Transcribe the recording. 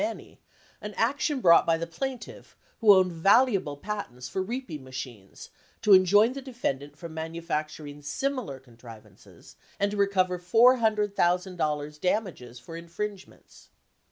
Manny, 1 an action brought by the plaintiff, who owned valuable patents for reaping machines, to enjoin the defendant from manufacturing similar contrivances and to re cover four hundred thousand dollars damages for infringements.